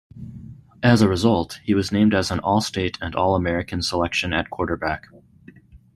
As a result, he was named as an All-State and All-American selection at quarterback.